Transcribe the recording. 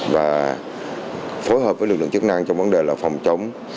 và phối hợp với lực lượng chức năng trong vấn đề là phòng chống